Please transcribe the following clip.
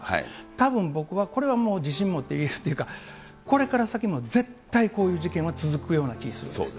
たぶん、僕はこれはもう自信持って言えるっていうか、これから先も絶対こういう事件は続くような気するんです。